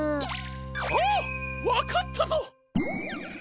あっわかったぞ！